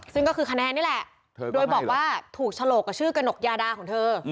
ซึ่งก็คือคะแนนนี่แหละโดยบอกว่าถูกฉลกกับชื่อกระหนกยาดาของเธอ